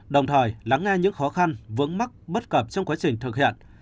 đồng thời lắng nghe những khó khăn vướng mắc bất cập trong quá trình thực hiện